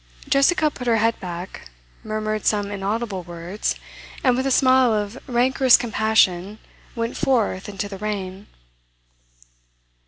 Jessica put her head back, murmured some inaudible words, and with a smile of rancorous compassion went forth into the rain.